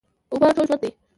اوبه ټول ژوند دي.